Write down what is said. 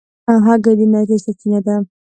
هګۍ د انرژۍ سرچینه ده.